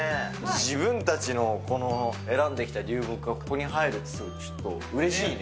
自分たちの選んできた流木がここに入るって、ちょっとうれしいね。